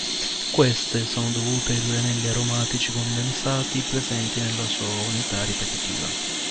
Queste sono dovute ai due anelli aromatici condensati presenti nella sua unità ripetitiva.